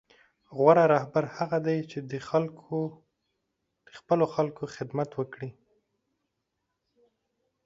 غوره رهبر هغه دی چې د خپلو خلکو خدمت وکړي.